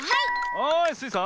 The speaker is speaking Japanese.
はいスイさん。